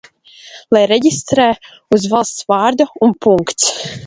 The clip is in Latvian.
Lai reģistrē uz valsts vārda, un punkts!